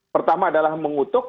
pertama adalah mengutuk